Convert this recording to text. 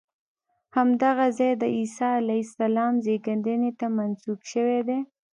همدغه ځای د عیسی علیه السلام زېږېدنې ته منسوب شوی دی.